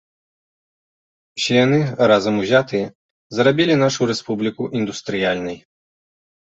Усе яны, разам узятыя, зрабілі нашу рэспубліку індустрыяльнай.